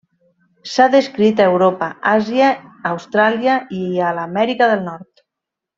S'ha descrit a Europa, Àsia, Austràlia i a l'Amèrica del Nord.